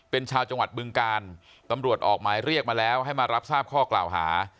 เป็นชาวจังหวัดบึงการตำรวจออกหมายเรียกมาแล้วให้มารับทราบข้อกล่าวหา